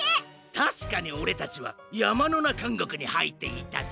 たしかにオレたちはやまのなかんごくにはいっていたぜ。